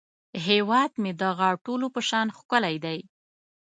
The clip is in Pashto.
هیواد مې د غاټولو په شان ښکلی دی